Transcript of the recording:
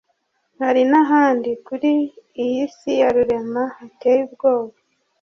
hari n'ahandi kuri iyi si ya Rurema hateye ubwoba